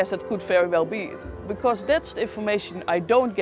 tapi kita tidak tahu tentang si pitung